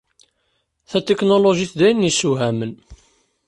Tatiknulujit d ayen yessewhamen.